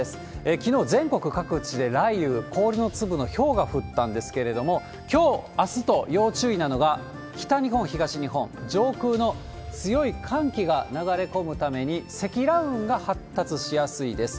きのう、全国各地で雷雨、氷の粒のひょうが降ったんですけれども、きょう、あすと要注意なのが、北日本、東日本、上空の強い寒気が流れ込むために、積乱雲が発達しやすいです。